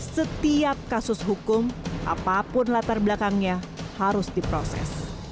setiap kasus hukum apapun latar belakangnya harus diproses